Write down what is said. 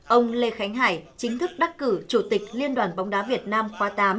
ông lê khánh hải chính thức đắc cử chủ tịch liên đoàn bóng đá việt nam khoa tám